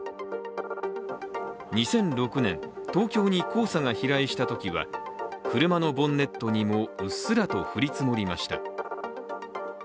２００６年、東京に黄砂が飛来したときは車のボンネットにもうっすらと降り積もりました。